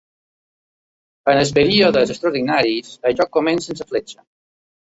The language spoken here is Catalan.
En els períodes extraordinaris, el joc comença amb la fletxa.